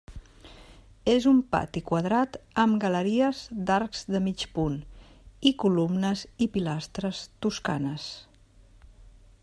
És un pati quadrat amb galeries d'arcs de mig punt i columnes i pilastres toscanes.